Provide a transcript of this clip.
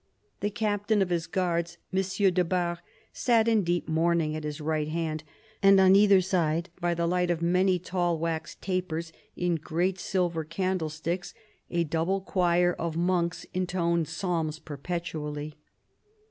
The captain of his guards, M. de Bar, sat in deep mourning at his right hand ; and on either side, by the light of many tall wax tapers in great silver candlesticks, a double choir of monks intoned psalms perpetually.